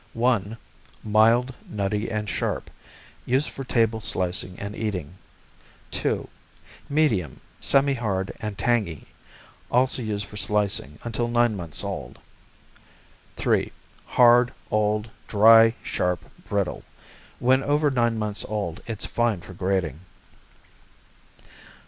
I. Mild, nutty and sharp, used for table slicing and eating. II. Medium, semihard and tangy, also used for slicing until nine months old. III. Hard, old, dry, sharp, brittle. When over nine months old, it's fine for grating.